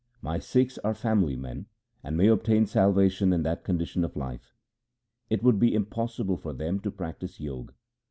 My Sikhs are family men, and may obtain salvation in that condition of life. It would be impossible for them to practise Jog.